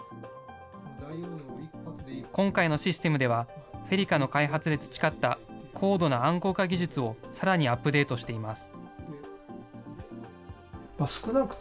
今回のシステムでは、フェリカの開発で培った、高度な暗号化技術をさらにアップデートしています。